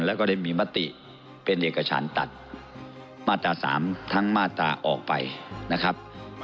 แล้วก็ได้มีมติเป็นเอกฉันตัดมาตรา๓ทั้งมาตราออกไปนะครับ